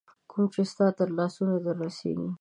کوم چي ستا تر لاسونو در رسیږي